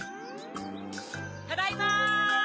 ただいま！